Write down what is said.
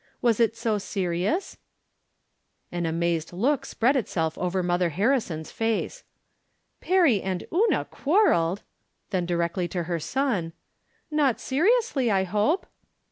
Was it so serious ?" An amazed look spread itself over Mother Har rison's face. " Perry and Una quarreled !" Then directly to her son :" Not seriously, I hope